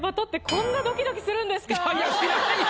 いやいや知らんよ。